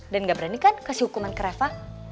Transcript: dan gak berani kan kasih hukuman ke reva